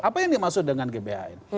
apa yang dimaksud dengan gbhn